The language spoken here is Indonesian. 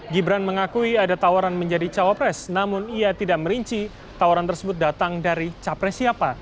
gibran mengakui ada tawaran menjadi bacawa pres namun ia tidak merinci tawaran tersebut datang dari bacawa pres siapa